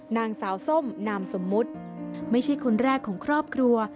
นางสาวส้มนามสมมุติไม่ใช่คนแรกของครอบครัว